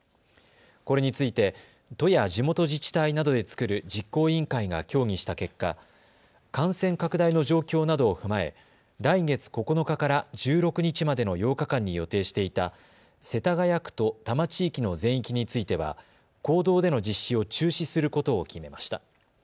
これについて都や地元自治体などで作る実行委員会が協議した結果、感染拡大の状況などを踏まえ来月９日から１６日までの８日間に予定していた世田谷区と多摩地域の全域については公道での実施を中止することを決めました。